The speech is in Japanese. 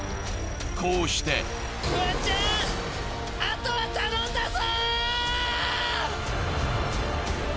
こうしてフワちゃん、あとは頼んだぞ！